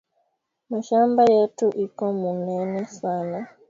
Mashamba yetu iko munene sana